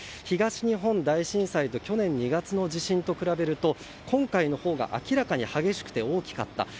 東日本大震災と去年２月の地震と比べると今回のほうが明らかに激しくて大きかった。